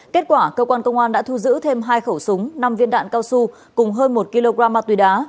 kết quả cơ quan công an đã thu giữ thêm hai khẩu súng năm viên đạn cao su cùng hơn một kg ma túy đá